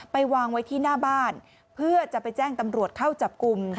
วางไว้ที่หน้าบ้านเพื่อจะไปแจ้งตำรวจเข้าจับกลุ่ม